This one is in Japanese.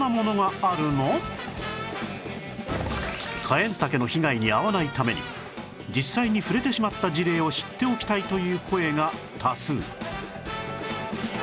カエンタケの被害に遭わないために実際に触れてしまった事例を知っておきたいという声が多数